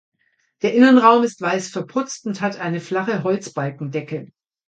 Der Innenraum ist weiß verputzt und hat eine flache Holzbalkendecke.